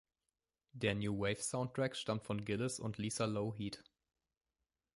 Der New-Wave-Soundtrack stammt von Gillis und Lisa Lougheed.